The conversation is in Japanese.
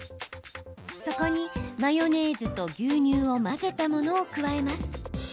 そこにマヨネーズと牛乳を混ぜたものを加えます。